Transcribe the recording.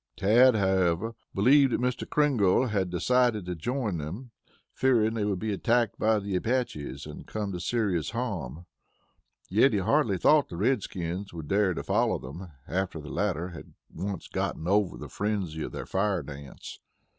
Tad, however, believed that Mr. Kringle had decided to join them, fearing they would be attacked by the Apaches and come to serious harm. Yet he hardly thought the redskins would dare to follow them, after the latter had once gotten over the frenzy of their fire dance.